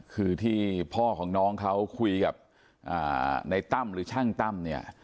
คือที่พ่อของน้องเขาคุยกับในตั้มหรือช่างตั้มเนี่ย